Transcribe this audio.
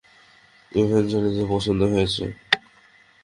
ইভেঞ্জ্যালিনেরও পছন্দ হয়েছে।